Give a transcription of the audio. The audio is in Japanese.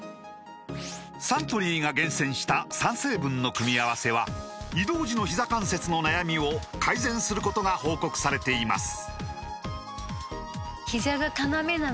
サントリーが厳選した３成分の組み合わせは移動時のひざ関節の悩みを改善することが報告されています